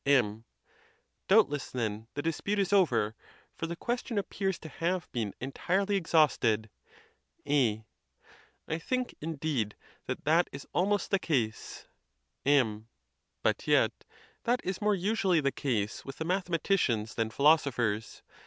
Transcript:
M. Doubtless, then, the dispute is over; for the question appears to have been entirely exhausted. _ A, I think, indeed, that that is almost the. case. MM. But yet that is more usually the case with the mathe maticians than philosophers.